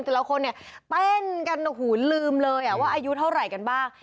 แต่ละคนเนี่ยเต้นกันโอ้โหลืมเลยว่าอายุเท่าไหร่กันบ้าง